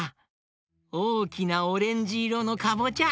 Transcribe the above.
おおきなオレンジいろのかぼちゃ